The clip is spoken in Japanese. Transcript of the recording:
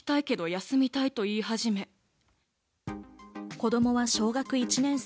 子供は小学１年生。